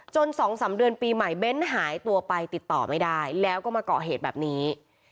๒๓เดือนปีใหม่เบ้นหายตัวไปติดต่อไม่ได้แล้วก็มาเกาะเหตุแบบนี้